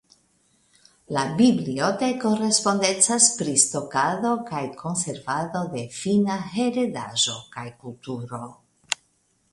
La biblioteko respondecas pri stokado kaj konservado de finna heredaĵo kaj kulturo.